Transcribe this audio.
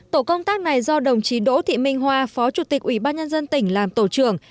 tổ công tác này do đồng chí đỗ thị minh hoa phó chủ tịch ủy ban nhân dân tỉnh làm tổ trưởng